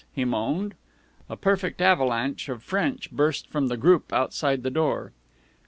"_ he moaned. A perfect avalanche of French burst from the group outside the door.